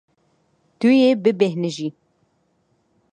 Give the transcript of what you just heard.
Tu yê bibêhnijî.